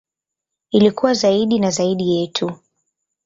Ili kuwa zaidi na zaidi yetu.